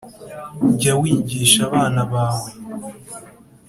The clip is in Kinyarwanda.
Jya wigisha abana bawe